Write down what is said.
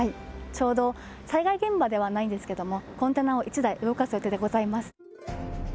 ちょうど災害現場ではないんですけどもコンテナを１台動かす予定でございます。